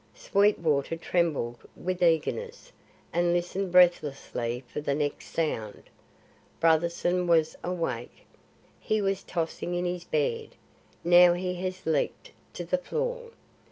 Sweetwater trembled with eagerness and listened breathlessly for the next sound. Brotherson was awake. He was tossing in his bed. Now he has leaped to the floor.